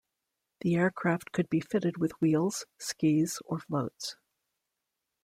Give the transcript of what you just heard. The aircraft could be fitted with wheels, skis or floats.